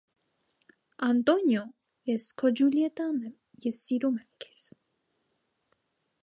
- Անտո՛նիո, ես քո Ջուլիետտան եմ, ես սիրում եմ քեզ…